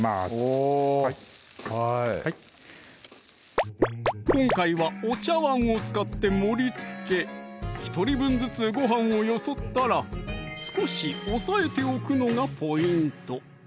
おはい今回はお茶碗を使って盛りつけ１人分ずつご飯をよそったら少し押さえておくのがポイント